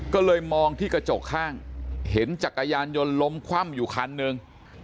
ก็เลยมองที่กระจกข้างเห็นจักรยานยนต์ล้มคว่ำอยู่คันหนึ่ง